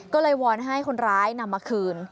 ก็เลยวอนให้คนร้ายนำมาคืน